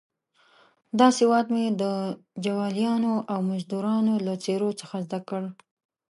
دا سواد مې د جوالیانو او مزدروانو له څېرو څخه زده کړ.